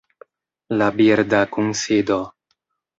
La birda kunsido